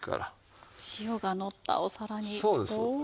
塩がのったお皿におお。